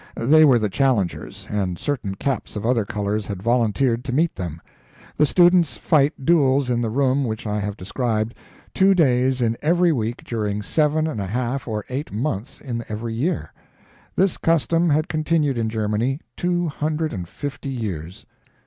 They were the challengers, and certain caps of other colors had volunteered to meet them. The students fight duels in the room which I have described, TWO DAYS IN EVERY WEEK DURING SEVEN AND A HALF OR EIGHT MONTHS IN EVERY YEAR. This custom had continued in Germany two hundred and fifty years.